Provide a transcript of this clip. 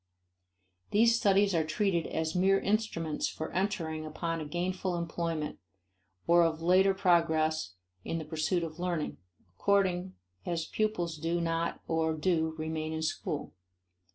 These studies are treated as mere instruments for entering upon a gainful employment or of later progress in the pursuit of learning, according as pupils do not or do remain in school.